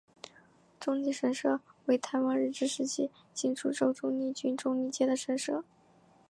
中坜神社为台湾日治时期新竹州中坜郡中坜街的神社。